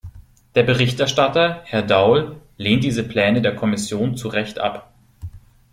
Der Berichterstatter, Herr Daul, lehnt diese Pläne der Kommission zu Recht ab.